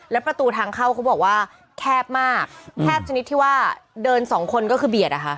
แล้วประตูทางเข้าเขาบอกว่าแคบมากแคบชนิดที่ว่าเดินสองคนก็คือเบียดอะค่ะ